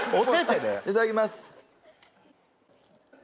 いただきます。